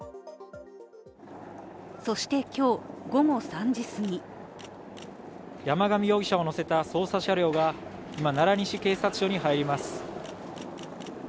そして今日午後３時すぎ山上容疑者を乗せた捜査車両が今、奈良西警察署に入ります。